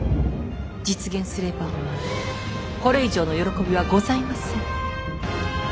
実現すればこれ以上の喜びはございません。